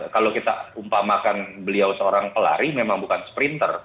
kalau kita umpamakan beliau seorang pelari memang bukan sprinter